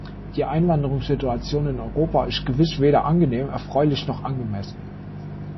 Die Einwanderungssituation in Europa ist gewiss weder angenehm, erfreulich noch angemessen.